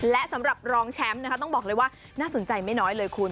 และสำหรับรองแชมป์นะคะต้องบอกเลยว่าน่าสนใจไม่น้อยเลยคุณ